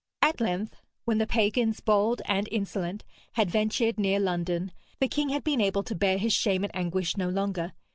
At length, when the pagans, bold and insolent, had ventured near London, the king had been able to bear his shame and anguish no longer.